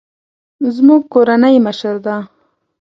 زموږ کورنۍ مشره ده